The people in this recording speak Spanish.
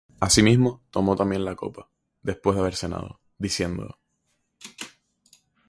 Asimismo tomó también la copa, después de haber cenado, diciendo: